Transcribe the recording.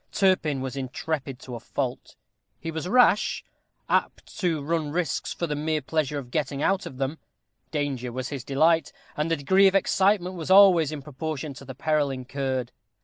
Turpin was intrepid to a fault. He was rash; apt to run into risks for the mere pleasure of getting out of them: danger was his delight, and the degree of excitement was always in proportion to the peril incurred.